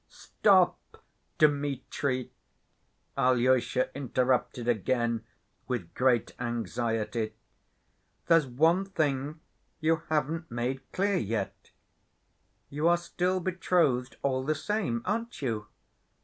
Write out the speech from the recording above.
"Stop, Dmitri," Alyosha interrupted again with great anxiety. "There's one thing you haven't made clear yet: you are still betrothed all the same, aren't you?